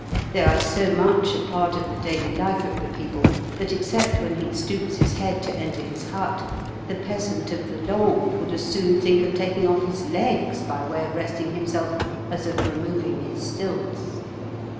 They are so much a part of the daily life of the people that, except when he stoops his head to enter his hut, the peasant of the Landes would as soon think of taking off his legs by way of resting himself as of removing his stilts.